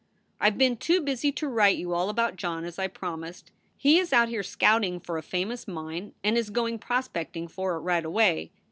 I ve been too busy to write you all about John as I promised. He is out here scouting for a famous mine and is going prospecting for it right away.